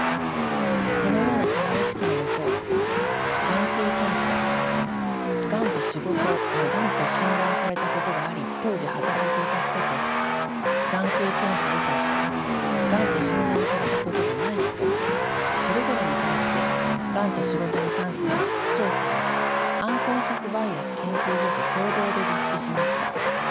このような課題意識のもとがん経験者がんと診断されたことがあり当時働いていた人とがん経験者以外がんと診断されたことがない人それぞれに対してがんと仕事に関する意識調査をアンコンシャスバイアス研究所と共同で実施しました。